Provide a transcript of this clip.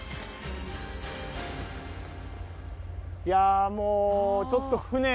いやもうちょっと船